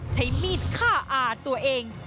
ใช้มีดฆ่าอาตัวเอง